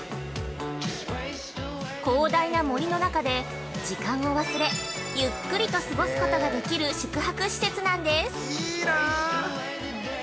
広大な森の中で、時間を忘れゆっくりと過ごすことができる宿泊施設なんです。